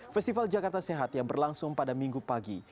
festival jakarta sehat yang berlangsung pada minggu pagi